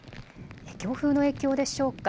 強風の影響でしょうか。